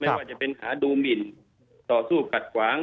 ไม่ว่าจะเป็นชาวดูมินส่วนต่อสู้กัดขวาง